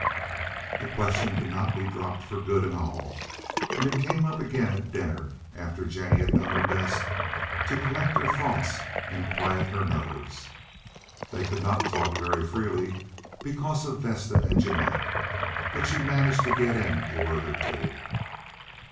The question could not be dropped for good and all, and it came up again at dinner, after Jennie had done her best to collect her thoughts and quiet her nerves. They could not talk very freely because of Vesta and Jeannette, but she managed to get in a word or two.